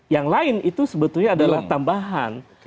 yang lain itu sebetulnya adalah tambahan